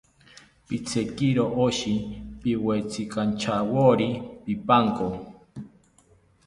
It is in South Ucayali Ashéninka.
Pichekiro oshi, piwetzikanchawori pipanko